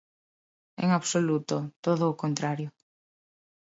En absoluto, todo o contrario.